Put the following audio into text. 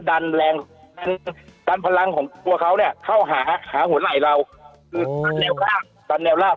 ดันแรงดันพลังของตัวเขาเนี่ยเข้าหาหัวไหล่เราดันแนวราบ